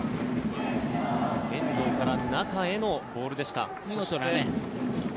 遠藤から中へのボールでした。